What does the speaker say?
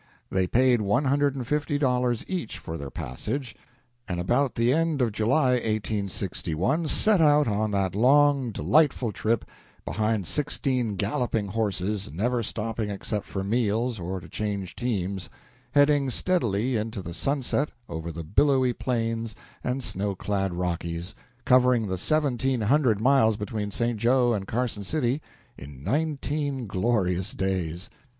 They paid one hundred and fifty dollars each for their passage, and about the end of July, 1861, set out on that long, delightful trip, behind sixteen galloping horses, never stopping except for meals or to change teams, heading steadily into the sunset over the billowy plains and snow clad Rockies, covering the seventeen hundred miles between St. Jo and Carson City in nineteen glorious days.